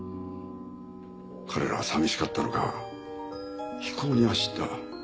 彼らは寂しかったのか非行に走った。